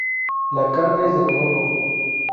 La carne es de color rojo.